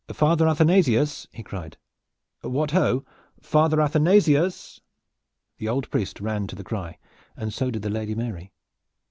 "Father Athanasius!" he cried. "What ho! Father Athanasius!" The old priest ran to the cry, and so did the Lady Mary.